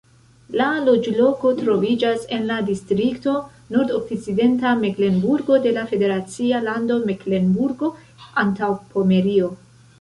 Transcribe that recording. La loĝloko troviĝas en la distrikto Nordokcidenta Meklenburgo de la federacia lando Meklenburgo-Antaŭpomerio.